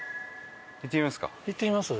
行ってみますか。